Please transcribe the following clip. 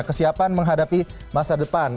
kesiapan menghadapi masa depan